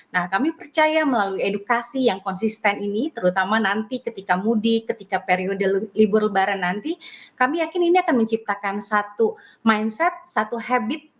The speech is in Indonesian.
nah kami percaya melalui edukasi yang konsisten ini terutama nanti ketika mudik ketika periode libur lebaran nanti kami yakin ini akan menciptakan satu mindset satu habit